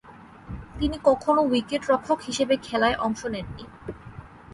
তিনি কখনো উইকেট-রক্ষক হিসেবে খেলায় অংশ নেননি।